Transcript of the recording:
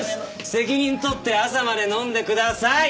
責任取って朝まで飲んでください！